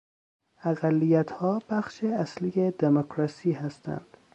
اقلیتها بخش اصلی دمکراسی هستند.